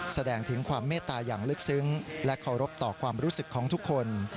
แสดงถึงความเมตตาอย่างลึกซึ้งและเคารพต่อความรู้สึกของทุกคน